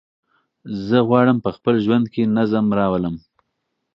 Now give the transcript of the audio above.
زه غواړم په خپل ژوند کې نظم راولم.